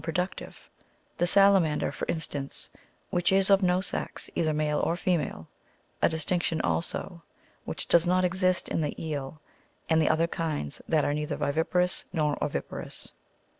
Some of these are non productive, the sa lamander, for instance, which is of no sex, either male or fe male ; a distinction also, which does not exist in the eel and the other kinds that are neither viviparous nor oviparous.